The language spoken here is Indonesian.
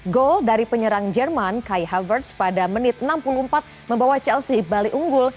gol dari penyerang jerman kai havertz pada menit enam puluh empat membawa chelsea balik unggul